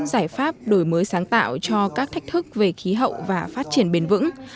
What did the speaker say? giải pháp đổi mới sáng tạo cho các thách thức về khí hậu và phát triển bền vững